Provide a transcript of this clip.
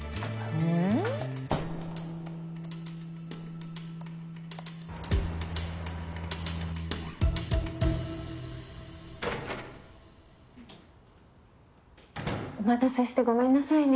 うん？お待たせしてごめんなさいね。